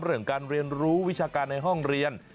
เรื่องการเรียนรู้วิชาการในห้องเรียน